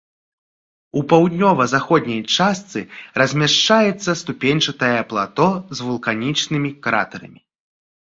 У паўднёва-заходняй частцы размяшчаецца ступеньчатае плато з вулканічнымі кратэрамі.